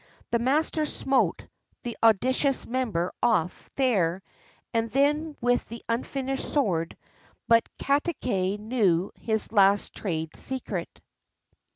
The master smote the audacious member off there and then with the unfinished sword, but Katate knew his last trade secret.